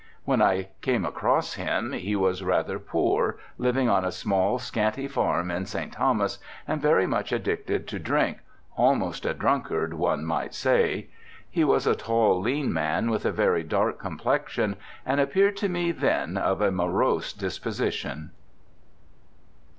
When I came across him he was rather poor, living on a small, scanty farm in St. Thomas, and very much addicted to drink, almost a drunkard one might say. He was a tall, lean man, with a very dark complexion, and appeared to me then of a morose disposition.'